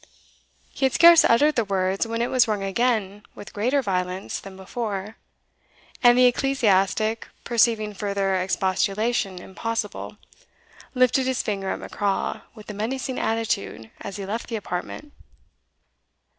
He had scarce uttered the words, when it was rung again with greater violence than before; and the ecclesiastic, perceiving further expostulation impossible, lifted his finger at Macraw, with a menacing attitude, as he left the apartment.